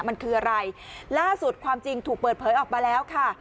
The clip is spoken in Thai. มันคืออะไรล่าสุดความจริงถูกเปิดเผยออกมาแล้วค่ะ